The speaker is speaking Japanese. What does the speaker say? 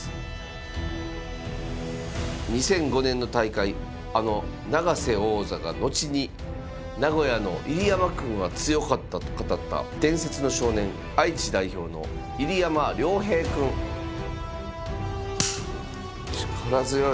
２００５年の大会あの永瀬王座が後に名古屋の入山くんは強かったと語った伝説の少年力強い。